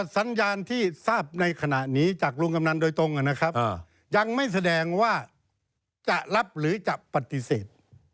สัญญาณที่ทราบในขณะนี้จากลุงกำนันโดยตรงนะครับยังไม่แสดงว่าจะรับหรือจะปฏิเสธ